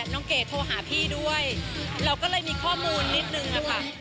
เก๋โทรหาพี่ด้วยเราก็เลยมีข้อมูลนิดนึงค่ะ